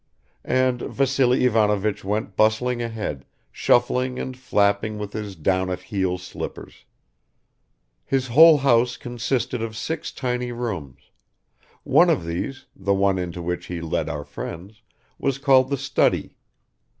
And Vassily Ivanovich went bustling ahead, shuffling and flapping with his down at heel slippers. His whole house consisted of six tiny rooms. One of these the one into which he led our friends was called the study.